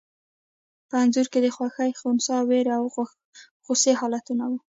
په انځور کې د خوښي، خنثی، وېرې او غوسې حالتونه وو.